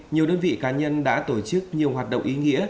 nhiều đơn vị cá nhân đã tổ chức nhiều hoạt động ý nghĩa